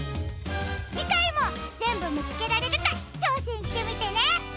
じかいもぜんぶみつけられるかちょうせんしてみてね！